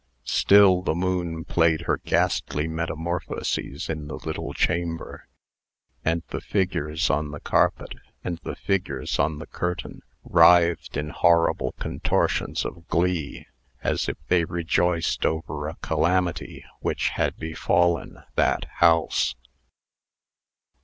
Still the moon played her ghastly metamorphoses in the little chamber. And the figures on the carpet and the figures on the curtain writhed in horrible contortions of glee, as if they rejoiced over a calamity which had befallen that house.